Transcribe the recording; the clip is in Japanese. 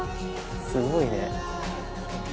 すごいね。